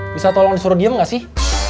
bisa tolong disuruh diem gak sih